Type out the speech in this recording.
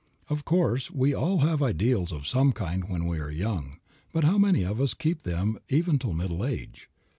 '" Of course we all have ideals of some kind when we are young; but how many of us keep them even till middle age?